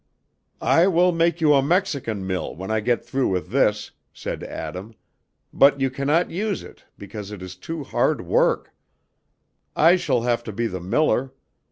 "I will make you a Mexican mill, when I get through with this," said Adam, "but you cannot use it, because it is too hard work; I shall have to be the miller.